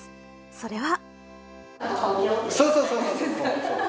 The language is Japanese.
それは。